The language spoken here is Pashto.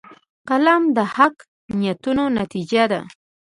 قلم د حقه نیتونو نتیجه ده